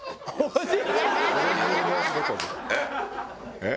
えっ？